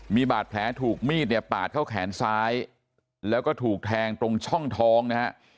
มีบาดแผลถูกมีดเนี่ยปาดเข้าแขนซ้ายแล้วก็ถูกแทงตรงช่องท้องนะฮะ